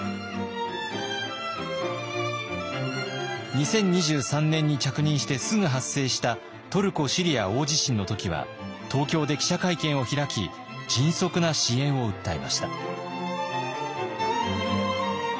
２０２３年に着任してすぐ発生したトルコ・シリア大地震の時は東京で記者会見を開き迅速な支援を訴えました。